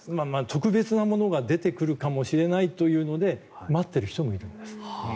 特別なものが出てくるかもしれないというので待っている人もいます。